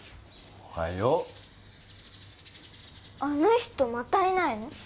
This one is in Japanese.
おはようあの人またいないの？